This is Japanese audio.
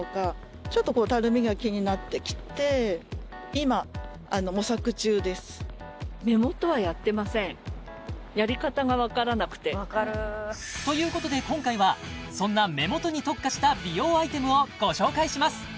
街の人にも悩みを聞いてみるとということで今回はそんな目元に特化した美容アイテムをご紹介します